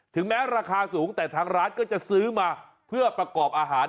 แม้ราคาสูงแต่ทางร้านก็จะซื้อมาเพื่อประกอบอาหาร